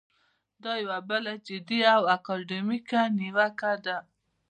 دا یوه بله جدي او اکاډمیکه نیوکه ده.